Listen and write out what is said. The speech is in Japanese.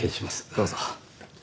どうぞ。